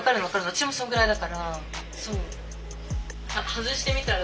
私もそんぐらいだから。